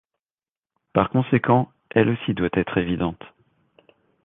Par conséquent elle aussi doit être évidente.